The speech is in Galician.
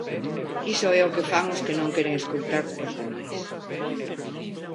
Iso é o que fan os que non queren escoitar os demais.